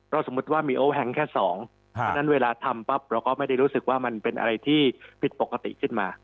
สมมุติว่ามีโอแฮงแค่สองเพราะฉะนั้นเวลาทำปั๊บเราก็ไม่ได้รู้สึกว่ามันเป็นอะไรที่ผิดปกติขึ้นมา